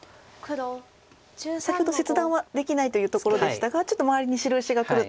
先ほど切断はできないというところでしたがちょっと周りに白石がくると。